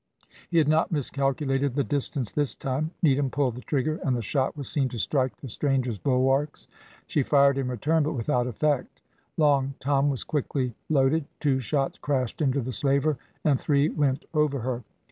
He had not miscalculated the distance this time. Needham pulled the trigger, and the shot was seen to strike the stranger's bulwarks. She fired in return, but without effect. Long Tom was quickly loaded; two shots crashed into the slaver, and three went over her.